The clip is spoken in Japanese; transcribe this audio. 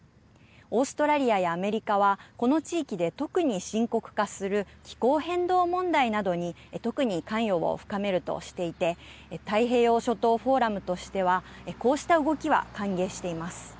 オーストラリアやアメリカはこの地域で特に深刻化する気候変動問題などに特に関与を深めるとしていて太平洋諸島フォーラムとしてはこうした動きは歓迎しています。